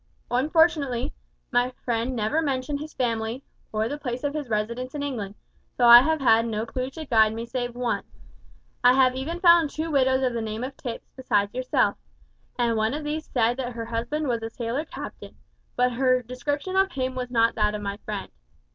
Unfortunately, my friend never mentioned his family, or the place of his residence in England, so I have had no clue to guide me save one. I have even found two widows of the name of Tipps besides yourself, and one of these said that her husband was a sailor captain, but her description of him was not that of my friend.